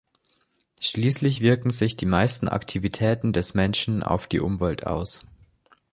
Schließlich wirken sich die meisten Aktivitäten des Menschen auf die Umwelt aus.